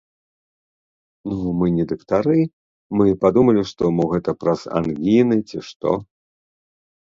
Ну мы не дактары, мы падумалі, што мо гэта праз ангіны, ці што.